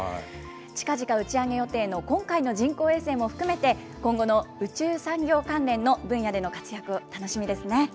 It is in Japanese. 近々打ち上げ予定の今回の人工衛星も含めて、今後の宇宙産業関連の分野での活躍、楽しみですね。